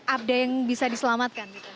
ada yang bisa diselamatkan